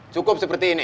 cukup seperti ini